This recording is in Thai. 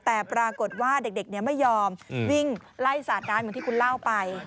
แต่ปรากฏว่าเด็กไม่ยอมวิ่งไล่สาดน้ำเหมือนที่คุณเล่าไป